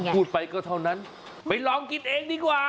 พูดไปก็เท่านั้นไปลองกินเองดีกว่า